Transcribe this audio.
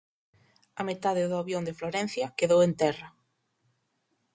A metade do avión de Florencia quedou en terra.